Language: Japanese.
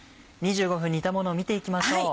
２５分煮たものを見て行きましょう。